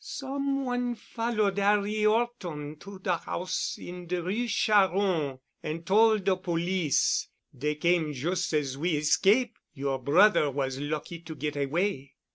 "Some one followed 'Arry 'Orton to de house in de Rue Charron and tol' de police. Dey came jus' as we escape'. Your brother was lucky to get away."